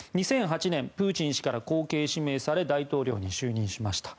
２００８年、プーチン氏から後継指名され大統領に就任しました。